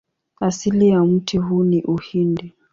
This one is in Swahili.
Asili ya mti huu ni Uhindi.